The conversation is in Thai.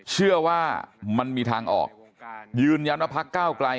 เชื่อว่ามันมีทางออกยืนยันว่าพักเก้าไกล